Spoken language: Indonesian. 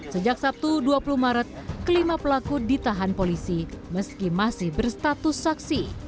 sejak sabtu dua puluh maret kelima pelaku ditahan polisi meski masih berstatus saksi